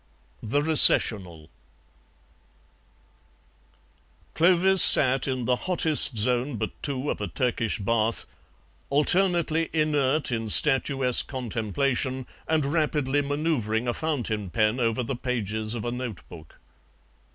THE RECESSIONAL Clovis sat in the hottest zone but two of a Turkish bath, alternately inert in statuesque contemplation and rapidly manoeuvring a fountain pen over the pages of a note book.